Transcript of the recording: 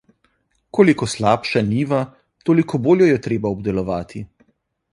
Koliko slabša njiva, toliko bolj jo je treba obdelovati.